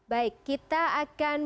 baik kita akan